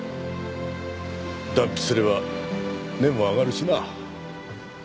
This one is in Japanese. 断筆すれば値も上がるしな。